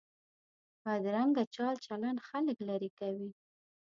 بدرنګه چال چلند خلک لرې کوي